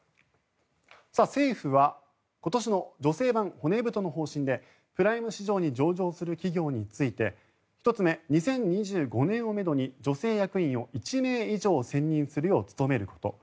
政府は今年の女性版骨太の方針でプライム市場に上場する企業について１つ目、２０２５年をめどに女性役員を１名以上選任するよう努めること。